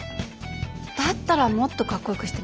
だったらもっとかっこよくしてみたら。